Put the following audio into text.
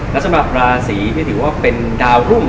และสำหรับราศีที่ถือว่าเป็นดาวรุ่ง